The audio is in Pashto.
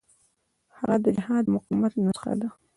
هغه د جهاد او مقاومت نسخه ده.